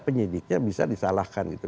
penyidiknya bisa disalahkan gitu